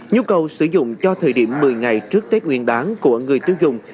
nhu cầu sử dụng cho thời điểm một mươi ngày trước tết nguyên đáng của người tiêu dùng